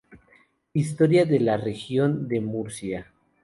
Historia de la Región de Murcia.